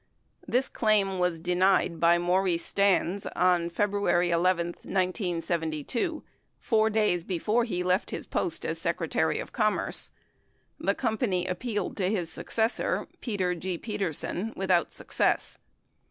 This claim was denied by Maurice Stans on February 11, 1972, 4 days before he left his post as Secretary of Commerce. The company appealed to his successor, Peter G. Peterson without success.